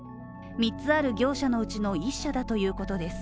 ３つある業者のうちの１社だということです。